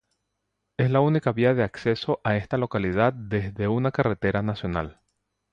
Es la única vía de acceso a esta localidad desde una carretera nacional.